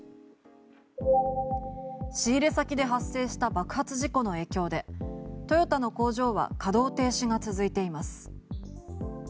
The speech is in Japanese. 仕入れ先で発生した爆発事故の影響でトヨタの工場は稼働停止が続いています。